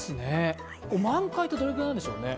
満開ってどれくらいなんでしょうね？